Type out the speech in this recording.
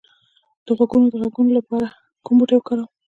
د غوږ د غږونو لپاره کوم بوټی وکاروم؟